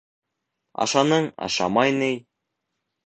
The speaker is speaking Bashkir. — Ашаның, ашамай ни!